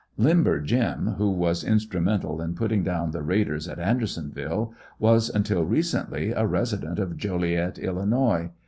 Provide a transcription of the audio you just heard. "Limber Jim," who was instrumental in putting down the raiders at Andersonville, was until recently a resident of Joliet, Illinois.